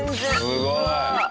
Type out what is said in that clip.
すごい！